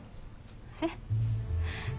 えっ？